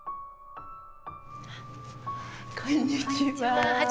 こんにちは。